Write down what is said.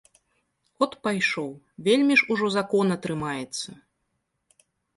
От пайшоў, вельмі ж ужо закона трымаецца.